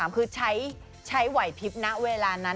คือใช้ใช้หวัยพิพนะเวลานั้น